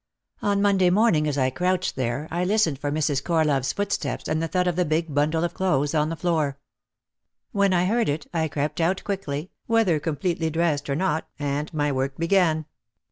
On Monday morning, as I crouched there, I listened for Mrs. Corlove's footsteps and the thud of the big bundle of clothes on the floor. When I heard it I crept out quickly, whether completely dressed or not, and my work began.